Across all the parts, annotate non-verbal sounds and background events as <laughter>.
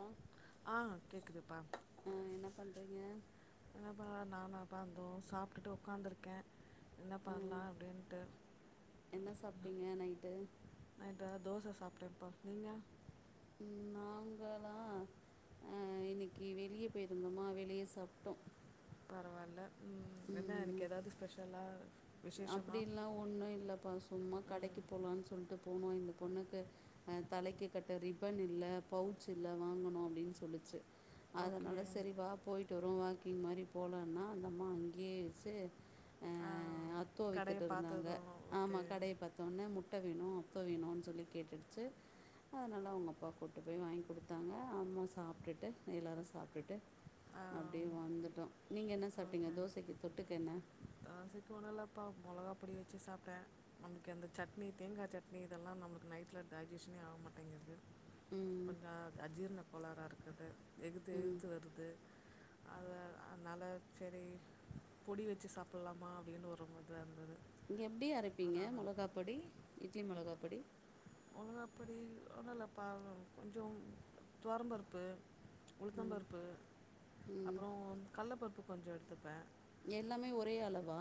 ஆ ஆ கேக்குதுப்பா ஆ என்ன பண்றீங்க என்ன பா நானாப்பா இதோ சாப்டுட்டு ஒட்காந்திருக்கே என்ன பண்ணலா ம் அப்டின்னுட்டு என்ன சாப்டீங்க நைட்டு நைட்டா தோச சாப்டேபா நீங்க ம் நாங்களா ஆ இன்னைக்கி வெளியே போயிருந்தோமா வெளிய சாப்டோ பரவால்ல ம் என்ன இனைக்கு எதாவ்து ஸ்பெஷலா விசேஷமா அப்டிலா ஒன்னூ இல்லப்பா சும்மா கடைக்கு ம் போலான் சொல்ட்டு போனோ இந்த பொண்ணுக்கு அ தலைக்கு கட்ட ரிபன் இல்ல பவுச் இல்ல வாங்கணு அப்டின் சொல்லிச்சு ஓகே அதனால செரி வா போயி்ட்டு வருவோ வாக்கிங் மாரி போலன்னா அந்தம்மா அங்கேயே வெச்சு அ ஆ கடைய தோவித்துட்டுருந்தாங்க பாத்தது ஆமா ஓகே கடைய பாத் தோனே முட்ட வேனு முட்ட வேணுனு சொல்லி கேட்டுடுச்சு அதனால அவங்க அப்பா கூட்டு போய் வாங்கி் குடுத்தாங்க அம்மா சாப்ட்டுட்டு எல்லாரு சாப்ட்டுட்டு ஆ அப்டியே வந்துட்டோ நீங்க என்ன சாப்ட்டீங்க ஓகே தோசைக்கு தொட்டுக்கென்ன தோசைக்கு ஒனுல்லப்பா மொளகா பொடி வச்சு சாப்ட்டே நமக்கு எந்த சட்னி தேங்கா சட்னி இதெல்லா நமக்கு நைட்ல டைஜீஷனே ஆக மாட்டேங்குது ம் கொஞ்ச அஜீர்ண இருக்குது எகுத்து ம் எதுத்து வருது அல அதுனால செரி பொடி வச்சு சாப்புல்லாமா அப்டின்னு ஒரு மது அருந்துது இங்க எப்டி அரைப்பீங்க மொளகா பொடி இட்லி மொளகா பொடி மொளகாப்பொடி ஒன்னு இல்லப்பாவ் கொஞ்சோ துவாரம்பருப்பு உளுத்தம் ம் பருப்பு ம் அப்பறோ கல்ல பருப்பு கொஞ்சோ எடுத்துப்பே எல்லாமே ஒரே அளவா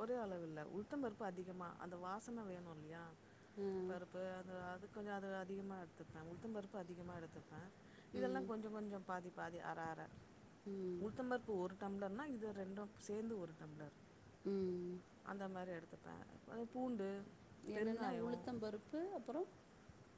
ஒரே அளவில்ல உளுத்த பருப்பு அதிகமா அந்த வாசன வேணு இல்லையா ஆ, பருப்பு அந்த அது கொஞ்சோ அது அதிகமா எடுத்துப்பே உளுத்தம் பருப்பு அதிகமா எடுத்துப் ப இதெல்லா ம் கொஞ்சொ கொஞ்சொ பாதி பாதி அர அர ம் உளுத்தம் பருப்பு ஒரு டம்ளர்னா இது ரெண்டும் சேந்து ஒரு டம்ளர் ம் அந்த மாரி எடுத்துப்ப பய் பூண்டு என்னென்ன உளுத்தம் பருப்பு அப்பறோ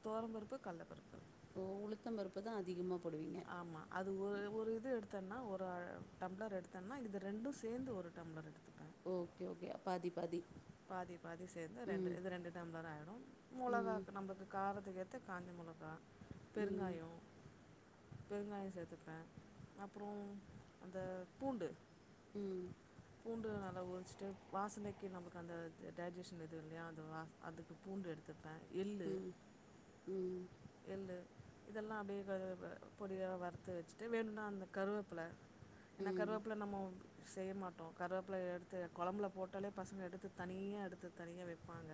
தோரம்பருப்பு கல்லபருப்பு ஓ உளுத்தம் பருப்பு தா அதிகமா போடுவீங்க ஆமா அது ஒய ஒரு இது எடுத்தன்னா ஒரு ‌அ டம்ளர் எடுத்தன்னா இது ரெண்டூ சேந்து ஒரு டம்ளர் எடுத்துப்ப ஓக்கே ஓகயா பாதி பாதி பாதி பாதி சேந்து ரெண்டு ம் இது ரெண்டு டம்ளர் ஆயிடும் ம் மொளகாக்கு நம்பக்கு காரதுக்கேத்த காஞ்ச மொளகா ம் பெருங்காயோ பெருங்காயோ சேத்துப்ப அப்புறோ அந்த பூண்டு ம் பூண்டு நல்லா ஒரு ஸ்டெப் வாசனைக்கு நமக்கு அந்த இது டைஜீஷன் எதுவு இல்லையா அது வா அதுக்கு பூண்டு எடுத்து ப்ப எள்ளு ம் எள்ளு இதெல்லா அப்டியே பெரத ப பொடியா வறுத்து வச்சுட்டு வேணுனா அந்த கருவேப்ல ம் ஏனா ம் கருவேப்புல நம்மோ செய்ய மாட் டோ கருவேப்பில எடுத்து கொழம்புல போட்டாலே பசங்க எடுத்து தனியா எடுத்து தனியா வைப்பாங்க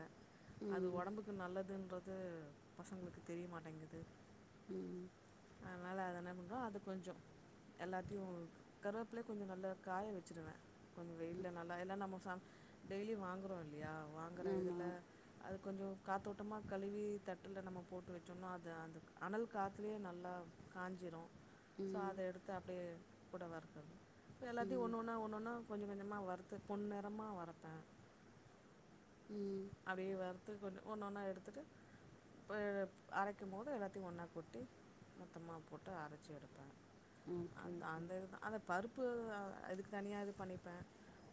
அது ம் ஒடம்புக்கு நல்லதுன்றது பசங்களுக்கு தெரியமாட்டேங்குது ம் அதுனால அது என்ன பண்றோ அது கொஞ்சம் எல்லாத்தையு கருவேப்புலய கொஞ்சொ நல்லா காய வச்சிருவ கொஞ்சொ வெயில்ல நல்லா எல்லா நம்ம ஃபம் டெய்லி வாங்குறோ இல்லையா வாங்குற இதுல ஆமாம் அது கொஞ்சொ காத்தோட்டமா கழுவி தட்டுல நம்ம போட்டு வச்சோன்னா அது அந்த அனல் காத்துலே நல்லா காஞ்சிரும் சோ ம் அத எடுத்து அப்டியே கூட வறக்கறது எல்லாத்தையும் ம் ஒன்னு ஒன்னா ஒண்ணு ஒன்னா கொஞ்ச கொஞ்சமா வறுத்து பொன் நிறமா வரப்பே ம் அப்டே வறுத்து கொஞ்ச ஒன்னு ஒன்னா எடுத்துட்டு போயிரப் அரைக்கமோது எல்லாத்தையும் ஒன்னா கொட்டி மொத்தமா போட்டு அரைச்சி எடுப்பே ஓகே அதா ஓகே அந்த இதுதா அந்த பருப்பு அதுக்கு தனியா இது பண்ணிப்பே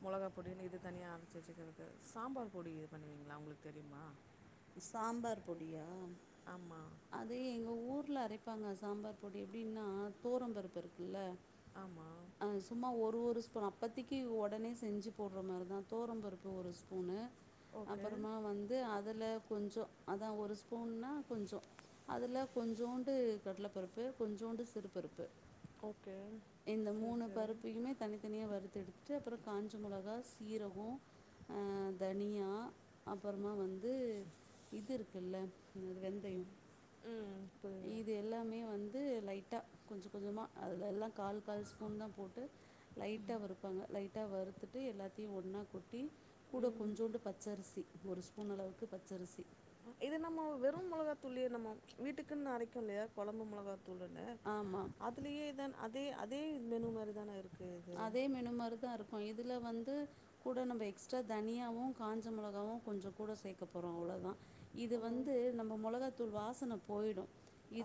மொளகா பொடினு இது தனியா அரைச்சி வச்சிக்கிறது சாம்பார் பொடி உங்கள அவுங்களுக்கு தெரியுமா சாம்பார் பொடியா ஆமா அது எங்க ஊர்ல அரைப்பாங்க சாம்பார் பொடி எப்டின்னா தோரம் பருப்பு இருக்கில்ல ஆமா அது சும்மா ஒரு ஒரு ஸ்பூன் அப்போத்தைக்கு ஒடனே செஞ்சி போடற மாரி தா தோரம்பருப்பு ஒரு ஸ்பூனு ஓகே அப்புறமா வந்து அதுல கொஞ்சோ அதா ஒரு ஸ்பூன்ன்னா கொஞ்சோ அதுல கொஞ்சோண்டு கடல பருப்பு கொஞ்சோண்டு சிறு பருப்பு ஓகே இந்த சரி மூணு சரி பருப்பையுமே தனித்தனியா வறுத்து எடுத்துட்டு அப்புறம் காஞ்ச மொளகா சீரகம் ஆ தனியா அப்புறமா வந்து இது இருக்குல்ல என்னாது வெந்தயம் ம் பு இது எல்லாமே வந்து லைட்டா கொஞ்ச கொஞ்சமா அதுல எல்லா கால் கால் ஸ்பூன் தா போட்டு லைட்டா வறுப்பாங்க லைட்டா வறுத்துட்டு எல்லாத்தையும் ஒன்னா கொட்டி கூட கொஞ்சோண்டு பச்சரிசி ஒரு ஸ்புன் அளவுக்கு பச்சரிசி இது நம்ம வெறும் மொளகா தூள்யே நம்ம வீட்டுக்குன் அரைக்கும் இல்லையா கொழம்பு மொளகா தூளுன்னு ஆமா அதுலயே இதான் அதே அதே மெனு மாரி தான இருக் அதே மெனு மாரி தா இருக்கும் இதுல வந்து கூட நம்ப எக்ஸ்ட்ரா தனியாவும் காஞ்ச மிளகாவும் கொஞ்சம் கூட சேக்க போறோம் அவ்ளோதா இது ஓ வந்து நம்ப மொளகத்தூள் வாசன போயிடும்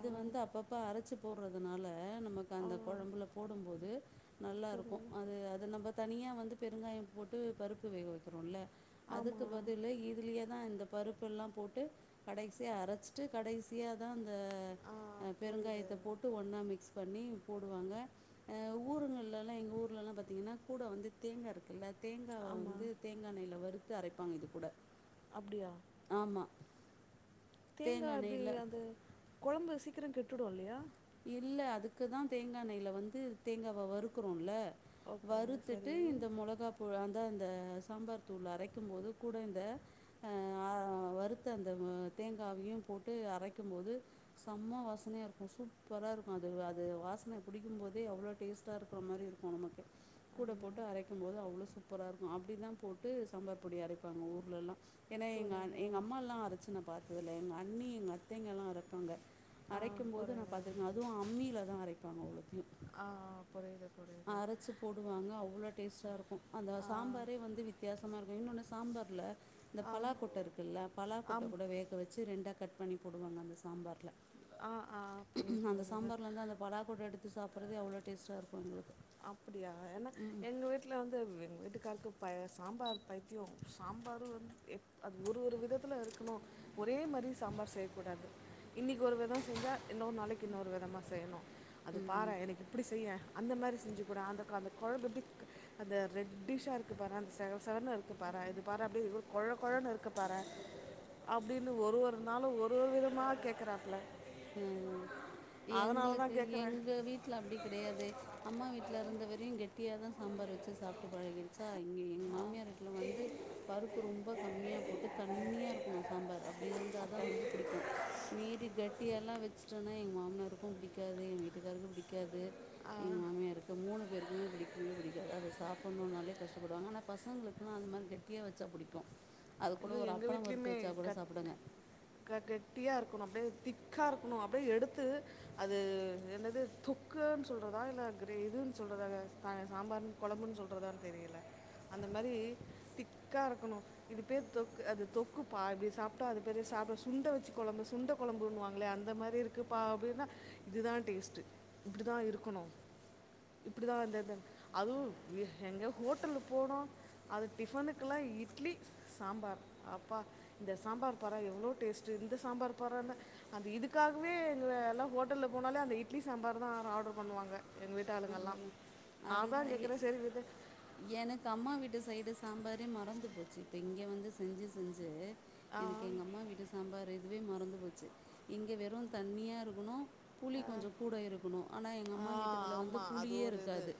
ஆ வந்து அப்பப்ப அரைச்சி போடறதுனால நமக்கு ஆ அந்த கொழம்புல போடும்போது நல்லா புரி இருக்கும் அது அத நம்ப தனியா வந்து பெருங்காயம் போட்டு பருப்பு வேக வக்கிறோம் இல்ல அதுக்கு ஆமாம் பதிலு இதுலியே தான் இந்த பருப்பு எல்லாம் போட்டு கடைசியா அரைச்சிட்டு கடைசியா தா அந்த ஆ பெருங்காயத்த போட்டு ஒன்னா மிக்ஸ் பண்ணி போடுவாங்க ஆ ஊருங்கள்லலா எங்க ஊர்லல்லாம் பாத்தீங்கன்னா கூட வந்து தேங்கா இருக்குல்ல தேங்கா ஆமா வந்து தேங்கா எண்ணையில வறுத்து அரைப்பாங்க இது கூட அப்டியா ஆமா தேங்கா எப்டி அது கொழம்பு சீக்கிரம் கெட்டுடும் இல்லையா இல்ல அதுக்கு தா தேங்கா எண்ணையில வந்து தேங்காவ வறுக்கிறோமில்ல ஓகே வறுத்துட்டு சரி இந்த மொளகா கூழ அந்த அந்த சாம்பார் தூள் அரைக்கும் போது கூட இந்த அ வறுத்த அந்த தேங்காவையு போட்டு அரைக்கும்போது சம்ம வாச வாசனையா இருக்கு சூப்பரா இருக்கு அது அது வாசனை பிடிக்கும்போதே அவ்ளோ டேஸ்ட்டா இருக்கிற மாரி இருக்கு நமக்கு கூட‌ அந்த போட்டு அரைக்கும் போது அவ்ளோ சூப்பரா இருக்கு அப்டி தா போட்டு சாம்பார் பொடி அரைப்பாங்க ஊர்லலா ஏனா எங்க புரியுது எங்க அம்மாலா அரைச்சு நா பாத்ததில்ல எங்க அண்ணி எங்க அத்தைங்கலா அரைப்பாங்கா ஆ அரைக்கும் போது நா புரியுது பாத்திருக்கே அதுவு அம்மில தா அரைப்பாங்க அவ்ளோத்தையு புரிது புரி அரச்சு போடுவாங்க அவ்ளோ டேஸ்டா இருக்கு அந்த ஆ சாம்பாரே வந்து வித் வித்தியாசமா இருக்கு இன்னொன்னு சாம்பார்ல இந்த ஆ பலாகொட்ட இருக்குல்ல பலாகொட்ட ஆம் கூட வேக வச்சு ரெண்டா கட் பண்ணி போடுவாங்க அந்த சாம்பார்ல ஆ ஆ புரியுது அந்த புரியுது சாம்பார்ல இருந்து அந்த பலாகொட்ட எடுத்து சாப்பறதே அவ்ளோ டேஸ்டா இருக்குங்க அப்டியா ஏனா எங்க வீட்ல வந்து எங்க வீட்டுக்காருக்கு ப சாம்பார் பைத்தியோ சாம்பரு வந்து எ அது ஒரு ஒரு விதத்துல இருக்கணு ஒரே மாரி சாம்பார் செய்ய கூடாது இன்னைக்கு ஒரு வெதோ செஞ்சா இன்னொரு நாளைக்கு இன்னொரு விதமா செய்யணு அது பாற ம் எனக்கு இப்டி செய்ய அந்த மாரி செஞ்சு குட அந்த அந்த கொழம்ப எப்டி அந்த ரெட்டிஷா இருக்கு பாற அந்த செவ செவ னு இருக்கு பாற இது பாற கொழ கொழ னு இருக்கு பாற அப்டினு ஒரு ஒரு நாளு ஒரு ஒரு விதமா கேக்குறாப்ல ஆ தா எங்களுக்கு கேக்குறே எங்க வீட்ல அப்டி கெடையாதே அம்மா வீட்ல இருந்தவரையு கெட்டியாதா சாம்பார் வச்சு சாப்ட்டு பழகிடுச்சா இங்க எங்க மாமியார் வீட்ல வந்து பருப்பு ரொம்ப கம்மியா போட்டு தண்ணியா இருக்கணு சாம்பார் அப்டி இருந்தாதா வந்து புடிக்கு மீறி கட்டியலா வச்சுட்டோனா எங்க மாமனாருக்கு புடிக்காது எங்க வீட்டுக்காருக்கு புடிக்காது எங்க மாமியாருக்கு மூணு பேருக்குமே புடிக்கவே புடிக்காது அத சாப்புணுனாலே கஷ்டப்படுவாங்க ஆனா பசங்களுக்குலா அந்த மாரி கெட்டியா வைச்சா புடிக்கு அது கூட ஐயோ ஒரு எங்கள் அப்பளம் வறுத்து வீட்லேயுமே வைச்சா கூட கட் சாப்டுங்க க கெட்டியா இருக்கணு அப்டியே திக்கா இருக்கணு அப்டியே எடுத்து அது என்னது தொக்குன் சொல்றதா இல்ல கிரே இதுன் சொல்றதா சாம்பார் கொழம்புன் சொல்றதான் தெரியல அந்த மாரி திக்கா இருக்கணு இது பேர் தொக் அது தொக்கு பாதி சாப்ட்டா அது பெரிய சாப்ட சுண்ட வச்சு கொழம்பு சுண்ட கொழம்புண்ணுவாங்களே அந்த மாரி இருக் க்குபா அப்டினா இதுதா டேஸ்ட் இப்டிதா இருக்கணு இப்படிதா வந்தத அதுவு எங்க ஹோட்டலு போனோ அது டிஃபனுக்குல்லா இட்லி சாம்பார் அப்பா இந்த சாம்பார் பாற எவ்ளோ டேஸ்ட் இந்த சாம்பார் பாறன்ன அந்த இதுக்காகவே எங்க எல்லா ஹோட்டல்ல போனாலே அந்த இட்லி சாம்பார் தா ஆர்டர் பண்ணுவாங்க எங்க வீட்டு ஆளுங்கல்லா அதுதான் நா தா அதுதான் கேக்குற எ சரி விடு எனக்கு அம்மா வீட்டு சைடு சாம்பாரே மறந்து போச்சு இப்ப இங்க வந்து செஞ்சு செஞ்சு ஆ எனக்கு எங்க அம்மா வீட்டு சாம்பார் இதுவே மறந்து போச்சு இங்க வெறு தண்ணியா இருக்கணு புளி கொஞ்ச கூட இருக்கணு ஆனா எங்க ஆ அம்மா வீட்டுதுல வந் து புளியே இருக்காது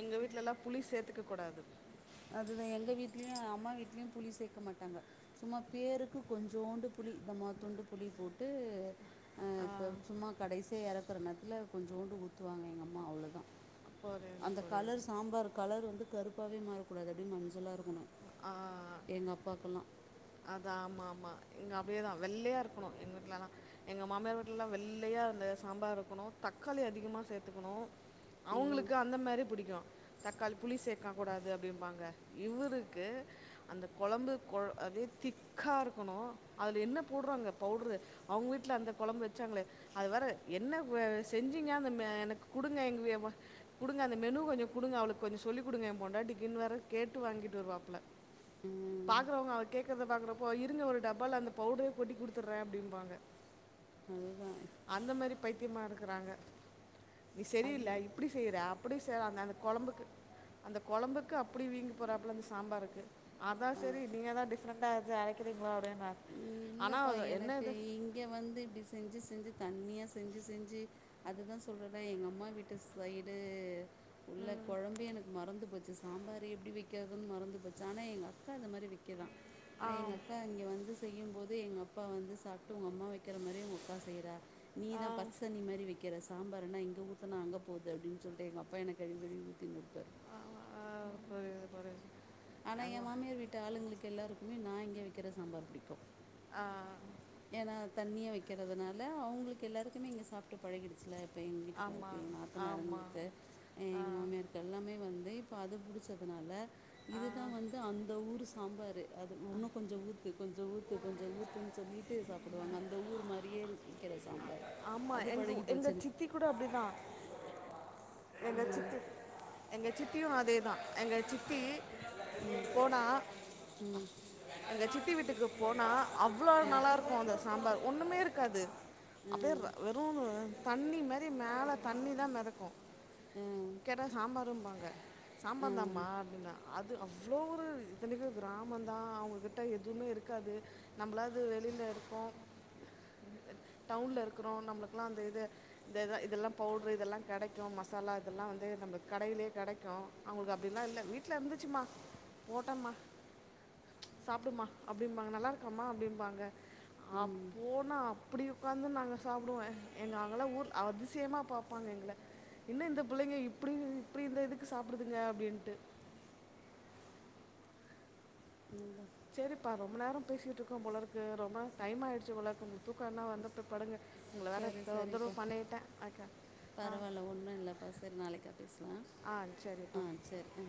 எங்க வீட்லல்லா புளி சேத்துக்க கூடாது அதுதா எங்க வீட்லயு அம்மா வீட்லயு புளி சேக்க மாட்டாங்க சும்மா பேருக்கு கொஞ்சோண்டு புளி தம்மாதுண்டு புளி போட்டு அ சும்மா கடேசியா எறக்குற நேரத்துல கொஞ்சோண்டு ஊத்துவாங்க எங்க அம்மா அவ்ளோதா அப்போ ஒரு இது அந்த ஒரு கலர் சாம்பார் கலர் வந்து கருப்பாவே மாறக்கூடாது அப்டி மஞ்சளா இருக்கணு எங்க அப்பாக்கெல்லா அத ஆமா ஆமா இங்க அப்டியேதா வெள்ளையா இருக்கணு எங்க வீட்லல்லா எங்க மாமியார் வீட்லல்லா வெள்ளையா அந்த சாம்பார் இருக்கணு தக்காளி அதிகமா சேத்துக்கணு அதான் அவுங்களுக்கு அந்த மாதிரி பிடிக்கும் தக்காளி புளி சேக்க கூடாது அப்டிம்பாங்க இவரு க்கு அந்த கொழம்பு அதே திக்காருக்கணு அதுல என்ன போடுறாங்க பவுடரு அவுங்க வீட்ல அந்த கொழம்பு வச்சாங்ளே அது வேற என்ன வ செஞ்சீங்கா அ ம எனக்கு குடுங்க எங்க வ குடுங்க அந்த மெனு கொஞ்சோ குடுங்க அவளுக்கு கொஞ்சோ சொல்லி குடுங்க என் பொண்டாட்டிக்குனு வேற கேட்டு வாங்கிட்டு வருவா ம் பாக்குறவங்க கேக் இருக்கறத பாக்றப்போ இருங்க ஒரு டபால அந்த பவுடர கொட்டி குடுத்துடுறே அப்டிம்பாங்க அதுதான் அந்த மாரி பைத்தியமாருக்கறாங்க நீ சரியில்ல அதுதான் இப்டி செய்ற அப்டி செய்ற அந்த அந்த கொழம்புக்கு அந்த கொழம்புக்கு அப்டி வீங்கி போறாப்புல மிஸ் சாம்பாருக்கு அதா அப் செரி நீங்க தா டிஃப்ரெண்டா எதோ அரைக்கிறீங்ளா அப்டினு நெ இல்லப்பா எனக்கு இங்க வந்து இப்டி செஞ்சி செஞ்சி தண்ணியா செஞ்சி செஞ்சி அதுதா சொல்றேல எங்க அம்மா வீட்டு சைடு உள்ள கொழம்பு எனக்கு மறந்து போச்சு சாம்பார் எப்டி வக்கிறதுன்னு மறந்து போச்சு ஆனா எங்க அக்கா அது மாரி வக்கிதா ஆ எங்க அக்கா இங்கே வந்து செய்யும்போது எங்க அப்பா வந்து சாப்ட்டு ஒங்க அம்மா வக்கிற மாரி ஒங்க அக்கா செய்றா ஆ நீதா பச்ச தண்ணி மாரி வைக்கிற சாம்பார்ன்னா இங்க ஊத்னா அங்க போகு அப்டின்னு சொல்ட்டு எங்க அப்பா என்ன கழுவி கழுவி ஊத்தினுருப்பாரு ஆ, <unintelligible> ஆனா ஏ ஆமா. மாமியார் வீட்டு ஆளுங்களுக்கு எல்லாருக்குமே நா இங்கே வைக்குற சாம்பார் புடிக்கு ஆ ஏனா தண்ணியா வைக்கிறதுனால அவுங்ளுக்கு எல்லாருக்குமே இங்கே சாப்ட்டு பழகிடுச்சில இப்ப எங்க வீட்டுக்காருக்கு ஏ ஆமாம் ஆமாம் நாத்தனருங்களுக்கு ஆ எங்க மாமியாருக்கு க்க எல்லாமே வந்து இப்போ அது புடிச்சதுனால இது தா வந்து அந்த ஊரு சாம்பாரு அது இன்னு கொஞ்சொ ஊத்து கொஞ்சொ ஊத்து கொஞ்சொ ஊத் துனு சொல்லிட்டு சாப்டுவாங்க அந்த ஊரு மாரியே வக்கிற சாம்பாரு ஆமா எங்கு எங்க சித்தி கூட அப்டிதா எங்க ம் சித்தி எங்க சித்தியு அதேதா எங்க சித்தி ம் போனா ம் எங்க சித்தி வீட்டுக்கு போனா அவ்ளோ ம் நல்லாருக்கு அந்த சாம்பார் ஒன்னுமேருக்காது ஆ அப்டியே ர வெறு தண்ணி மாரி மேல தண்ணி தா மெதக்கு ஆ கேட்டா சாம்பாரும்பாங்க ஆ சாம்பார் தாமா அப்டின்னா அது அவ்ளோ ஒரு இத்தனக்கு கிராமந்தா அவுங்ககிட்ட எதுமேருக்காது நம்லாது வெளிலருப்போ டவுன்லருக்குறோ நம்ளுக்கெலா அந்த இத இந்த இத இதெல்லா பவுடரு இதெல்லா கெடைக்கு மசாலா இதெல்லா வந்து நம்ம கடைலே கெடைக்கு அவுங்களுக்கு அப்டிலா இல்ல வீட்லருந்துச்சுமா போட்டேம்மா சாப்டுமா அப்டிம்பாங்க நல்லா இருக்காமா அப்டிம்பாங்க ம் ம். அப்போ நா அப்டி ஒக்காந்து நாங்க சாப்டுவோ எங்க அங்கல்ல ஊர் அதிசயமா பாப்பாங்க எங்கள என்ன இந்த புள்ளைங்க இப்டி இப்டி இந்த இதுக்கு சாப்டுதுங்க அப்டின்ட்டு <unintelligible> சேரிப்பா ரொம்ப நேரொ பேசிட்ருக்கோ போலருக்கு ரொம்ப டைம் ஆயிடுச்சு போலர்க்கு தூக்கம் எதுன்னா வந்து போய் படுங்க ஒங்கள வேற தொந்தரவு பண்ணிட்டே அக்கா பரவால்ல ஒன்னு இல்லப்பா செரி நாளைக்கா பேசலா ஆ ஆ சரிப்பா சேரி ஆ